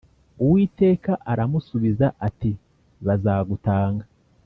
Uwiteka aramusubiza ati “Bazagutanga.”